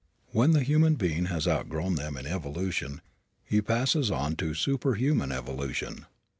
When the human being has outgrown them in evolution he passes on to superhuman evolution.